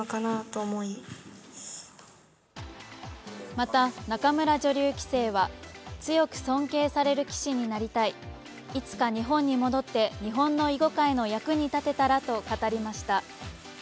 また、仲邑女流棋聖は、強く尊敬される棋士になりたい、いつか日本に戻って日本の囲碁界の役に立てたらと語りました。